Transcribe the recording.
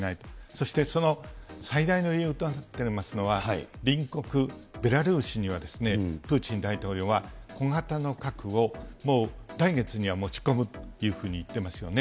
そしてその最大の理由となっているのは、隣国ベラルーシにはプーチン大統領は小型の核をもう来月には持ち込むというふうに言ってますよね。